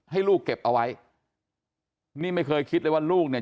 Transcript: ให้ลูกเก็บเอาไว้นี่ไม่เคยคิดเลยว่าลูกเนี่ย